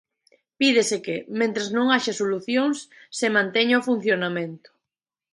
Pídese que, mentres non haxa solucións, se manteña o funcionamento.